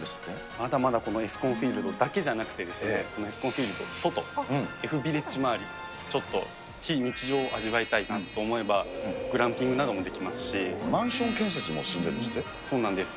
まだまだこのエスコンフィールドだけじゃなくてですね、エスコンフィールドの外、Ｆビレッジ周り、ちょっと非日常を味わいたいかなと思えば、マンション建設も進んでるんそうなんです。